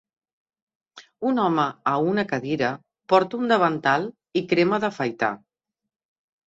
Un home a una cadira porta un davantal i crema d'afaitar